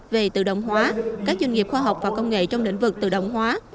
về tự động hóa các doanh nghiệp khoa học và công nghệ trong lĩnh vực tự động hóa